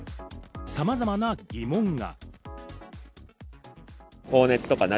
さまざまな疑問が。